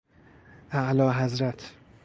اعلیحضرت